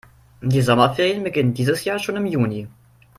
Die Sommerferien beginnen dieses Jahr schon im Juni.